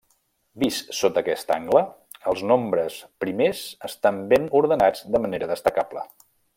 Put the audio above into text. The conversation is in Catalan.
Vist sota aquest angle, els nombres primers estan ben ordenats de manera destacable.